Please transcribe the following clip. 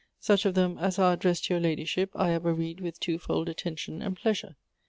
Such of them as are addressed to your ladyship I ever read with twofold attention and pleasure.